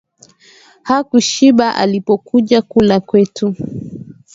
Hakushiba alipokuja kula kwetu